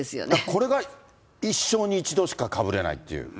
これが一生に一度しかかぶれないという。